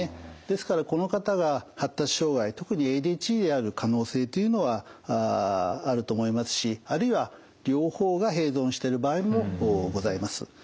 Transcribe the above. ですからこの方が発達障害特にＡＤＨＤである可能性というのはあると思いますしあるいは両方が併存している場合もございます。